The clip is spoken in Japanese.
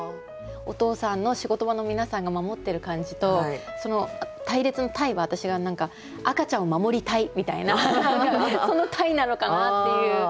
お父さんの仕事場の皆さんが守ってる感じと「隊列」の「隊」は私は何かみたいなその「隊」なのかなっていう。